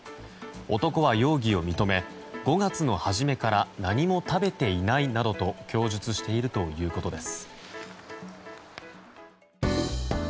男は容疑を認め５月の初めから何も食べていないなどと供述しているということです。